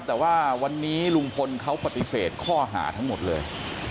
๒บาทวันนี้รุงพลเค้าปฏิเสธข้อหาทั้งหมดเลย